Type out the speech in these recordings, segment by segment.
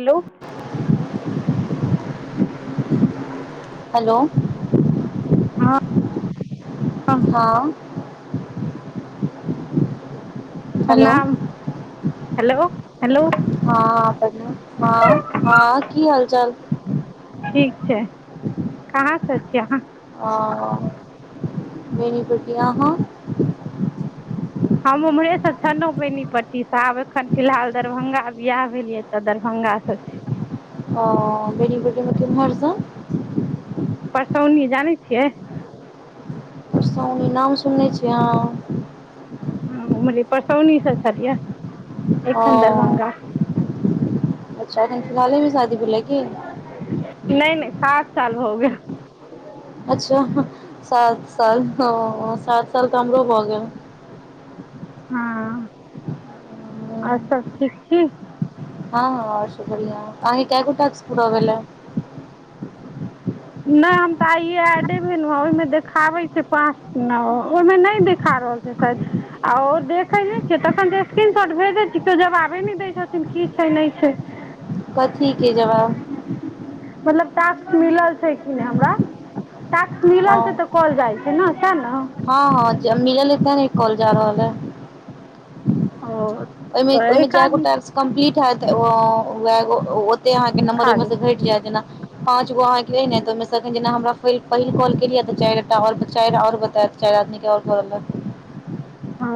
Hello. Hello. हँ। हँ। Hello. प्रणाम हेलो हेलो हँ बढ़िया हँ हँ की हाल चाल। ठीक छै कहाँसँ छीयै अहाँ। ओ बेनीपट्टी अहाँ। हम ओम्हरेसँ छलहुँ बैनीपट्टीसँ आब एखन फिलहाल दरभंगा बियाह भेल यै तऽ दरभंगासँ छी। ओ बेनीपट्टी मे किम्हर सॅं। परसौनी जानै छियै। परसौनी नाम सुनने छीै हाँ। हूं उम्हरे परसौनीसँ छलियै एखन ओ दरभंगा। तऽ अखन फिलहाले मे शादी भेलय हऽ की। नहि नहि सात साल हो गेल। अच्छा सात साल सात साल तऽ हमरो भऽ गेल। हँ आओर सब ठीक छी। हँ हँ आओर सब बढ़िआ अहाँके कए गो टास्क पूरा भेलै। नहि हम तऽ आइे ऐडे भेलो हं ओहिमे देखाबे छै पाँच नऽ ओहिमे नहि देखा रहल छी। से शायद आ ओ देखैने छियै तखन जे स्क्रीनशॉट भेजै छिये केओ जवाबे नहि दैत छथिन की छै नहि छै। [unintelligible] कथी के जवाब। मतलब टैक्स मिलल छै कि नहि हमरा टैक्स हँ मिलल छै तऽ। कॉल जाइ छै सैह नऽ। हँ हँ जेय मिलल यऽ तैं ने कॉल जा रहल ऐ। ओ ओहिमे तऽ एहि ओहिमे जे काज गोटा टास कम्प्लीट हैत वैह गो [unintelligible] से अहाँ के नंबर खा ओहिमे से जेतै घटि जायत जेना पाँच गो अहाँके अय ने तऽ ओहिमेसँन जेना हमरा पहिल कॉल केलियै तऽ चारिटा चारि आओर बतायत। चारि आदमीे के आओर करलय। ओ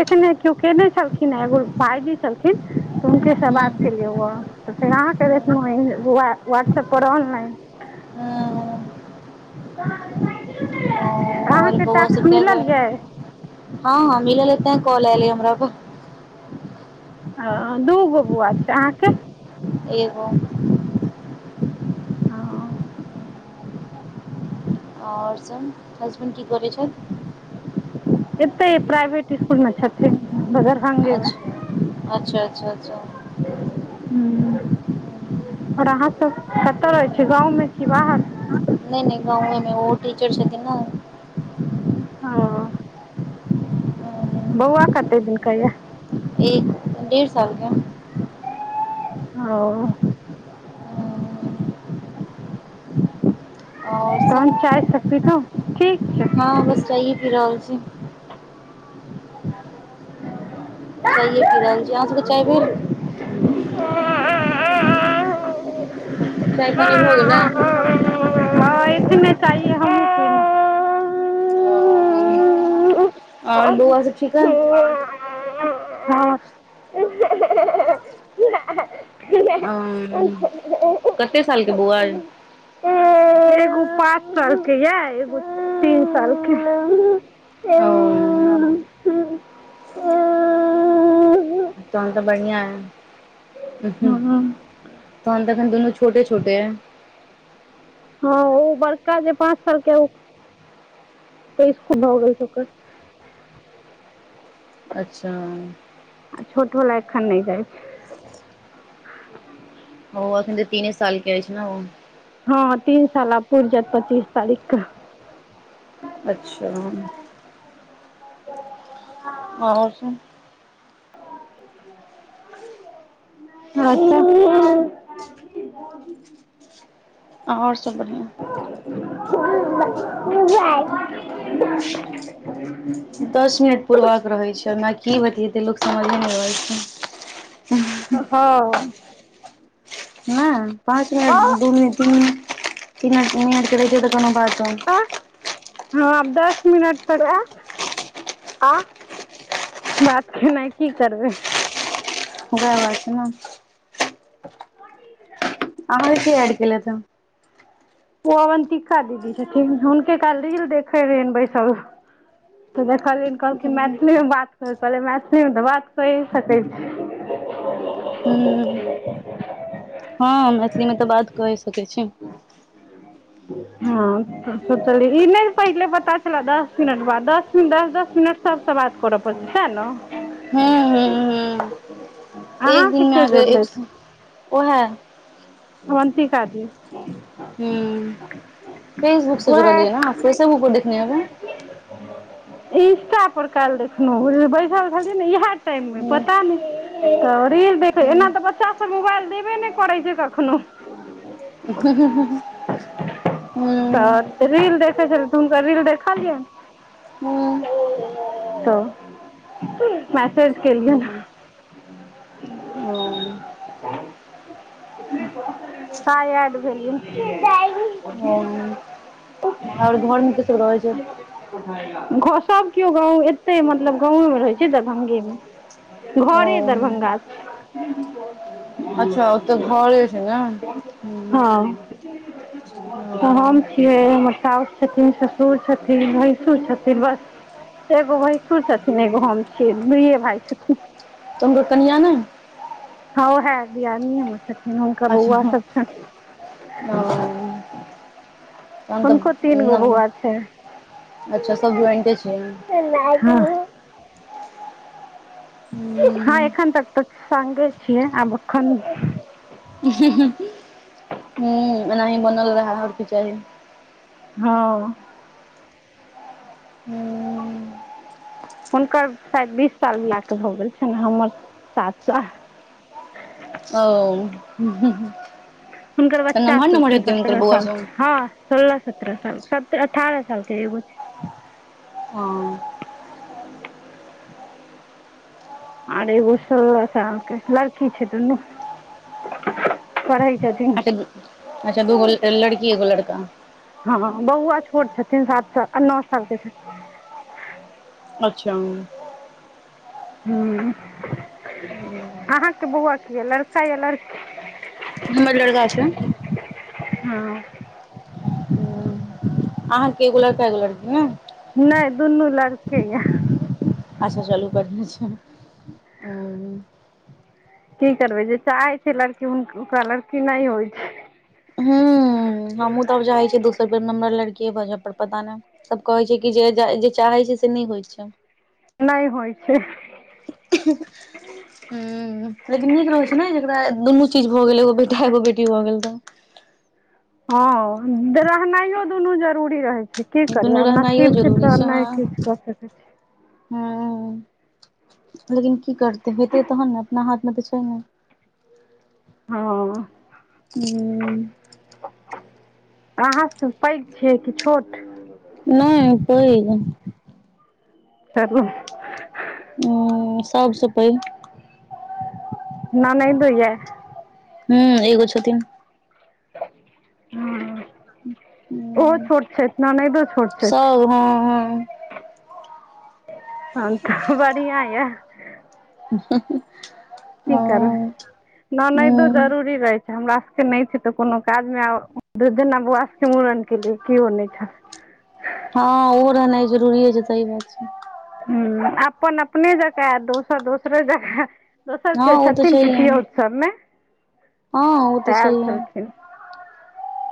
एखने केओ कने छलखिन हँ एगो भाइजी छलखिन। तऽ हुन्के सॅं हूं बात के लिओ ये। तऽ फेर अहाँकेँ देखलहुँ व्हाट्सएप्प पर ऑनलाइन। [unintelligible] ओ आओर अहाँके बौआ टास्क सब कै गो मिलल अइ यै हँ हँ मिलल अय तैं कॉल ऐल हमरा पर अय दूगो बौआ छै अहाँके एगो [unintelligible] आओर सभ हसबैंड की करै छथि। एतै प्राइभेट स्कूल मऽ छथिन दररभंगेमे अच्छा अच्छा अच्छा अच्छा हू और अहाँ सब कतय रहै छीयै गाँवमे की बाहर नहि नहि गाँवएमे ओहो टीचर छथिन नऽ ओ बौआ कते दिन का यैह एक डेढ़ सालके हँ ओ आओर तहन सब चाय सब पिलौं ठीक छै हँ बस चाइए पी रहल छी [unintelligible] चाइए पी रहल छी अहाँ सबके चाय भेल। [unintelligible] चाय पानी भ गेलै हँ एखने चाइए हमहुँ पिलौं ओ ओर बौआ सब ठीक अय कीनब हम्म कते सालके बौआ अय एगो पाँ एगो पांच साल के यै एगो तीन सालके ओ उउ हँ तहन तऽ बढ़ियां अय हु हु हँ तहन त अखन दुनू छोटे छोटे ऐ हँ ओ बड़का जे पाँच साल के ओ इसकुल भऽ गेल छै ओकर अच्छा आ छोट बला एखन नहि जाइ छै। [inaudible] हँ अखन त तीने साल केै अछि ने ओ। हँ तीन साल आब पुइर जायत पच्चीस तारीख के अच्छा [inaudible] आओर सब [unintelligible] [unintelligible] आओर सब बढ़िआं [unintelligible] दस मिनट पुरबाक रहै छै ओना की बतीयेतई लोक समझे नहि अबै छै हँ ह पाँच मिनट दू मिनट तीन मिनिट तीन मिनट तीन मिनट के रहते करैत त कोनो बातो आ हँ अब दस मिनट तक एत आ बात खेनाइ की करबै उहा बात छै न [inaudible] आहाके के ऐड केलाइठ ह ओ अवन्तिका दीदी छथिन हुनके काइल रील देखए रहैन बैसल तऽ देखलिन कहलखिन हन मैथिली मे बात कर कहल मैथिली मे तऽ बात कए सकैत छी [inaudible] ह हँ मैथिली मे तऽ बात कये सकै छी [inaudible] हँ ई नहि पहिले पता च दस मिनट बादस मिन दस दस मिनट सबसँ बात करऽ पड़तै साह न हँ हँ एक अहाँके दिन मे के अहके एक जोड़लथि ओहै [unintelligible] हू फेसबुक से उएह जुड़लियै ने फेसबुक पर देखने हेबै इंस्टा पर काइल देखलहु बैसल छलियने इह टाइम मे हूँ पता नहि तऽ रील देख एना हूँ तऽ बच्चा सब मोबाइल देबे नहि करै छै कखनो तऽ रील देखै छलै तऽ हुनकर रील देखलियै हूँ तऽ मैसेज केलियै ने ओ तऽ आय ऐड भेलये ओ आओर घरमे के सब रहै छै [unintelligible] सभ केओ गाँव एते मतलब गाँवेमे रहैत छै दरभंगेमे घरे ओ दरभंगा छै तऽ घरे छै ने हू हँ ओ तऽ हम हमर सउस छथिन ससुर छथिन भैंसुर छथिन बस एगो भैंसुर छथिन एगो हम छियै दुइे भाय छथिन तऽ हुनकर कनिया नहि हँ ओहा दियादनीयो छथिन हुनकर अच्छा बौआ सब छनि ओ तहन हुनको तीन गो तऽ बौआ छै अच्छा सब ज्वइंटे छै [unintelligible] हँ हूँ एखन तक तऽ संगे छियै आब एखन हू एनाही बनल रहा आओर की चाही हँ हुनकर शायद बीस साल बिहा कऽ भऽ गेल छनि हमर सात साल ओ हुनकर तऽ नमहर बच्चासभ नमहर छनि हेतै हुनकर सत्ररह बौआ सालके सब हँ सोलह सत्रह साल सत्र अठारह साल के एगो छै हँ आर एगो सोलह सालके लड़की छै दुनू पढै छथिन अच्छा अच्छा दूगो लड़की एगो लड़का हँ बौआ छोट छथिन सात साल आ नओ सालके छथिन अच्छा हू अहाँके बौआ कि यऽ लड़का या लड़की हमर लड़का छै हँ अहाँके एगो लड़का एगो लड़की ने नहि दुनू लड़के यऽ अच्छा चलु बढ़िया छैय हीं हूॅं कि करबै जे चाहै छैय लड़की, हुन ओकरा लड़की नैय होय छैय हमहूॅं तब चाहै छी दोसर बेर नम्बर लड़कीे भऽ जाय पर पता नैय सब कहै छैय कि जे जाय् जे चाहै छैय से नैय होय छैय नैय होय छैय [unintelligible] हूॅं - लेकिन नीक लगैय छैय नैय जेकरा दुनु चीज भ गेलै एगो बेटा एगो बेटी भऽ गेल तऽ हँ, रहनायओ दुनु जरूरी रहै कि करबै दुनू आब रहनाइयो नसीब छैय जरूरी तऽ नैय किछ क सकैय छैय हूॅं ऊॅं, लेकिन कि करतै? हेतै तहन ने, अपना हाथ मे त छैय नैय हँ हूॅं अहाँ पैघ छियै कि छोट नैय पेग [unintelligible] हूँ सब सऽ पैघ ननैदो ये हूॅं एगो छथिन हाॅं - ओहो छोट छैथ ननैदो छोट छैथ हू हँ तहन तऽ बढ़िआ यऽ [unintelligible] कि करबै? ननैदो हूं हँ ओहो जरुरी रहै हमरा सबके नैय छैय तऽ कोनो काज मे आब, दू दिना बौआा स के मुड़न केलियै केओ नैय छह हँ ओहो रहनाय जरुरिये छैय। सही बात छैय। हूॅं - अपन अपने जकाँ दोसर दोसरे जकाॅं, दोसर हँ के ओ तऽ छथिन छैहे पितयौत सब में हँ उऽ तऽ छहिये [inaudible]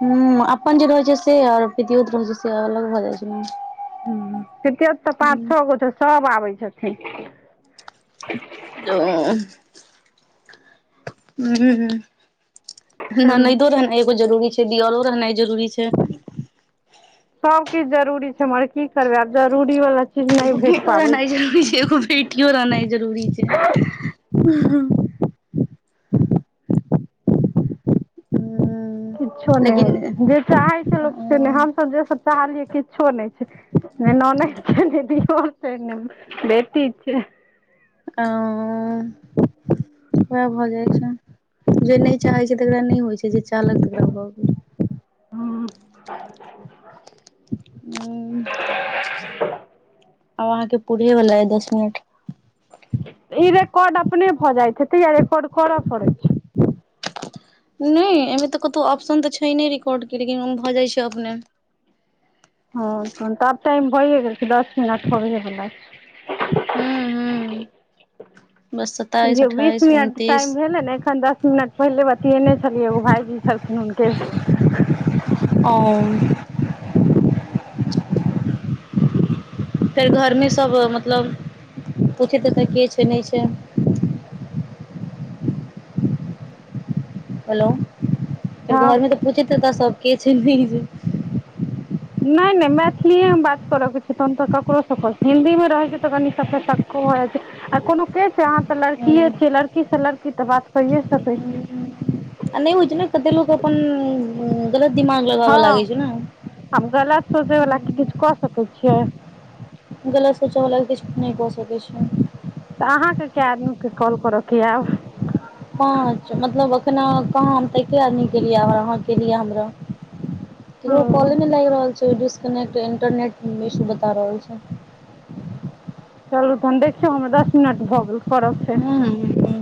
हूॅं अपन जे रहै छैय से आरु पितयौत जे रहै छैय से अलग भऽ जाय छै ने हूॅं - पितयौत त पाँच छअ गो छैय सब आबै छथिन [unintelligible] - हूॅं चलू ननैदो रहनाय एगो जरूरी छैय दियौरो रहनाइ जरूरी छै सब किछ जरुरी छैय मगर कि करबै आब जरूरी बाला एगे बेटो रहनाय जरुरी छैय एगो बेटियो रहनाय जरुरी छैय - हाॅं हूँ किछो नैय होय लेकिन छैय। जे चाहै छैय लोक से ने हमसभ जे सभ चाहलियै किछो नैय छैय ने ननैद छैय, ने दियौर छैय, ने बेटी छैय। आंय उएह भऽ जाय छैय। जे नैय चाहै छैय तेकरा नैय होय छैय। जे चाहलक तकरा भऽ गेल [unintelligible] हूॅं आब अहाँ के पुरये बाला अय दस मिनट इ रेकॉर्ड अपने भऽ जाय छैय, तहिया रेकॉर्ड करअ पड़ै छैय नैय अय में तऽ कतौ ऑप्शन त छैय ने रिकॉर्ड के लेकिन उऽ भऽ जाय छैय अपने। हँ तन तब टाइम भइये गेल छैय दस मिनट होबेय बला हूं छैय हूं बस सत्ताइस जे बीस अठाइस मिनट टाइ उनतीस भेल ने एखन मिनट पहिले बतियेने छलियै एगो भाायजी छलखिन हुनके से अउम फेर घरमे सब मतलब पुछेथ हेतय के छै नहि छै, बलो फेर हँ घर मे तऽ पूछे त सब के छै नहि नहि मैथिलि एमे बात करऽके छै तहन तऽ ककरोसँ हिन्दीमे रहै छै तऽ कनि सबके सक्को भऽ जाइ छै आ कोनो के छै अहाँ तऽ लड़कीे छियै लड़की से लड़की तऽ बात करे सकैत छी आ नहि होइ छै ने कते लोक अपन गलत दिमाग लगाबऽ लागैत छै ने हम गलत सोचै वला के किछु कऽ सकैत छियै गलत सोचऽ बला किछ नहि कऽ सकै छिए तऽ अहाँ के कए आदमी के कॉल करऽ के आयब। पाँच मतलब एखना कहाँ हम तऽ एके आदमी केलियै अहाँ केलियै हमरा ककरो हँ कॉले मे लागि रहल छै डिस्कनेक्ट इंटरनेट इशू बता रहल छै। चलू तहन देखियौ हमरा दश मिनट भऽ गेल करब फेर हु